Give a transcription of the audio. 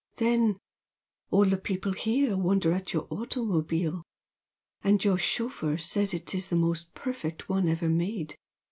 Then all the people here wonder at your automobile and your chauffeur says it is the most perfect one ever made!